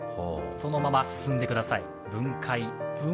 そのまま進んでください。